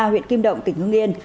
huyện kim động tỉnh hương yên